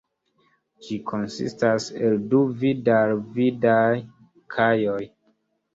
Ĝi konsistas el du vid-al-vidaj kajoj.